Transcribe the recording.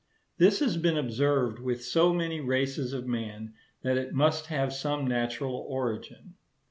This has been observed with so many races of man, that it must have some natural origin.